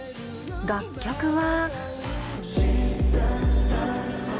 楽曲は。